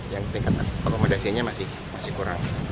yang tingkat akomodasinya masih kurang